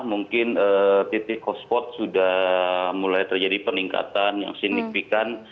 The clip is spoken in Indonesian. mungkin titik hotspot sudah mulai terjadi peningkatan yang signifikan